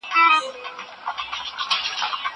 زه اوس لاس پرېولم!!